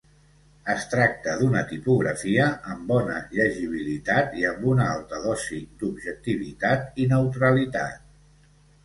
Es tracta d'una tipografia amb bona llegibilitat i amb una alta dosis d'objectivitat i neutralitat.